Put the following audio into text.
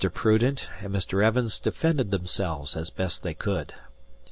Prudent and Mr. Evans defended themselves as best they could.